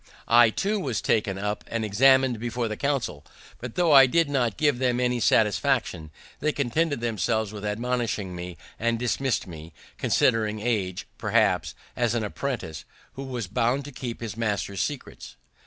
I too was taken up and examin'd before the council; but, tho' I did not give them any satisfaction, they contented themselves with admonishing me, and dismissed me, considering me, perhaps, as an apprentice, who was bound to keep his master's secrets.